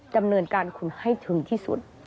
ดำเนินการคุณให้ถึงที่สุด